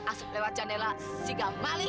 asuk lewat jendela sikap maling